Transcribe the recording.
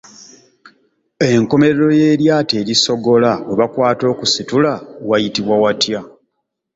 Enkomerero y’eryato erisogola, we bakwata okusitula wayitibwa watya?